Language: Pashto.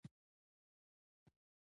د خپل فقهي مذهب نظریاتو بابولو بوخت شول